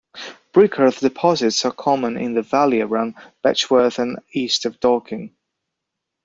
Brickearth deposits are common in the valley around Betchworth and east of Dorking.